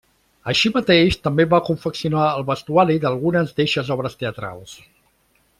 Així mateix també va confeccionar el vestuari d'algunes d'eixes obres teatrals.